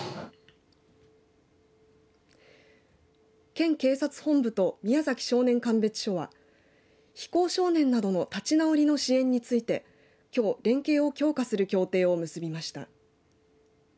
県警察本部と宮崎少年鑑別所は非行少年などの立ち直りの支援についてきょう連携を強化する協定を結びました。